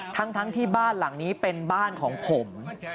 ทั้งที่บ้านหลังนี้เป็นบ้านของผม